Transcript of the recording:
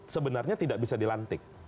sebenarnya tidak bisa dilantik